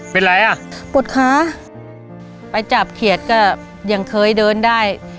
เป็นไรอ่ะปวดขาไปจับเขียดก็ยังเคยเดินได้